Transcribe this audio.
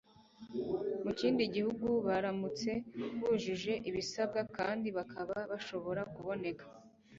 mu kindi gihugu baramutse bujuje ibisabwa kandi bakaba bashobora kuboneka